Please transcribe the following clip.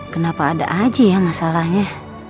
kenapa ada aja ya masalahnya